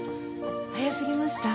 早すぎました？